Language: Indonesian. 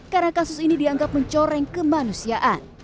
karena kasus ini dianggap mencoreng kemanusiaan